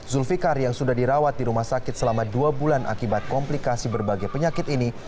zulfikar yang sudah dirawat di rumah sakit selama dua bulan akibat komplikasi berbagai penyakit ini